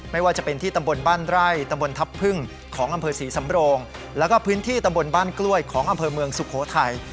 ไม่ว่าจะเป็นที่ตำบลบ้านไร่ตำบลทัพพึ่งของอำเภอศรีสำโรงแล้วก็พื้นที่ตำบลบ้านกล้วยของอำเภอเมืองสุโขทัย